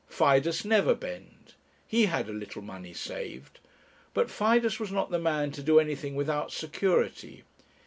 Fidus Neverbend! he had a little money saved; but Fidus was not the man to do anything without security.